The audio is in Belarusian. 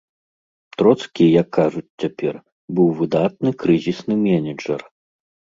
Троцкі, як кажуць цяпер, быў выдатны крызісны менеджар.